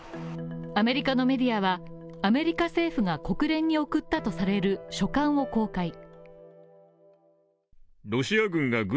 アメリカのメディアは、アメリカ政府が国連に送ったとされる書簡を公開。